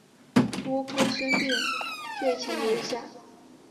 多亏孙膑说情留下。